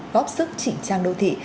góp sức chỉ trang đô thị